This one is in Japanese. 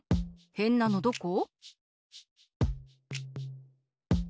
へんなのどこ？